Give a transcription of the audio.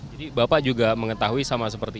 jadi bapak juga mengetahui sama seperti